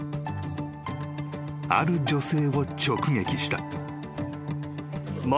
［ある女性を直撃した］